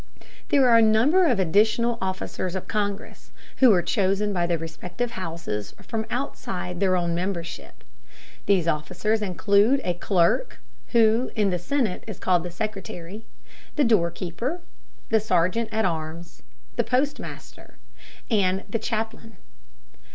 There are a number of additional officers of Congress, who are chosen by the respective houses from outside their own membership. These officers include a clerk, who in the Senate is called the secretary; the door keeper; the sergeant at arms; the postmaster; and the chaplain.